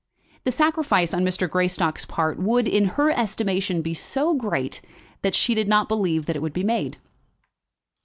The sacrifice on Mr. Greystock's part would, in her estimation, be so great, that she did not believe that it would be made.